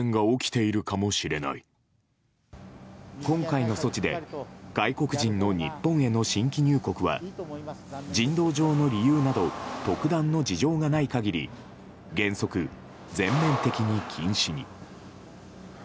今回の措置で外国人の日本への新規入国は人道上の理由など特段の事情がない限り原則、全面的に禁止に。